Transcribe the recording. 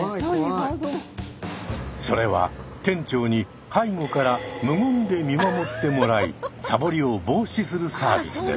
それは店長に背後から無言で見守ってもらいサボりを防止するサービスです。